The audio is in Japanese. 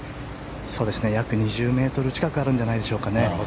約２０ｍ近くあるんじゃないでしょうかね。